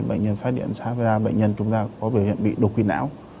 bệnh nhân phát hiện ra là bệnh nhân chúng ta có biểu hiện bị đột quỵ não